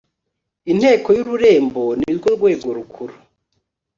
Inteko y Ururembo nirwo rwego rukuru